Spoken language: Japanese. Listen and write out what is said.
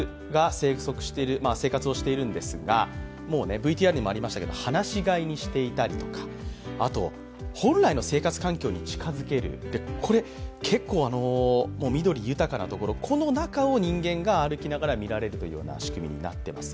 ＶＴＲにもありましたけど、放し飼いにしていたりとか、あと、本来の生活環境に近づける、これ、結構緑豊かなところ、この中を人間が歩きながら見られるという仕組みになっています。